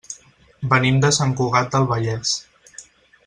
Venim de Sant Cugat del Vallès.